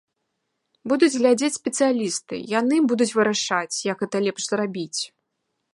Будуць глядзець спецыялісты, яны будуць вырашаць, як гэта лепш зрабіць.